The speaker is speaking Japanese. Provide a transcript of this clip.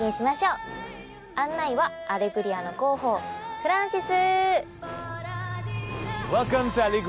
案内は『アレグリア』の広報フランシス！